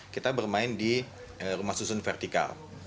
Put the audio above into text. kita bermain di rumah susun vertikal